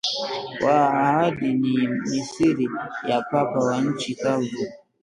Wa ahadi ni mithili ya papa wa nchi kavu